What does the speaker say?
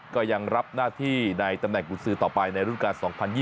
ก็ยังรับหน้าที่ในตำแหน่งกุศือต่อไปในรุ่นการ๒๐๒๐